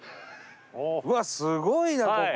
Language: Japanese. うわすごいなここ。